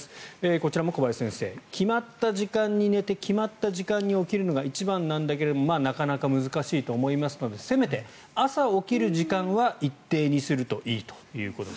こちらも小林先生決まった時間に寝て決まった時間に起きるのが一番なんだけどなかなか難しいと思いますのでせめて朝起きる時間は一定にするといいということです。